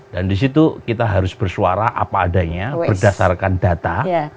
dan di situ kita harus bersuara apa adanya berdasarkan data